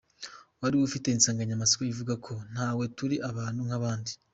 Wari ufite insanganyamatsiko ivuga ko “Natwe turi abantu nk’abandi.